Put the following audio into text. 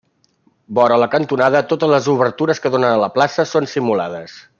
Vora la cantonada totes les obertures que donen a la plaça són simulades.